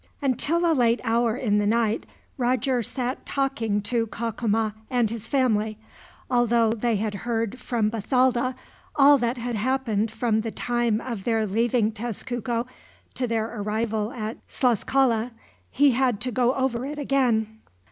Until a late hour in the night, Roger sat talking to Cacama and his family. Although they had heard, from Bathalda, all that had happened from the time of their leaving Tezcuco to their arrival at Tlascala, he had to go over it again.